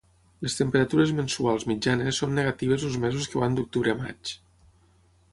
Les temperatures mensuals mitjanes són negatives els mesos que van d'octubre a maig.